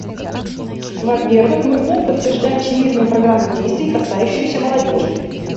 Во-первых, мы вновь подтверждаем Всемирную программу действий, касающуюся молодежи.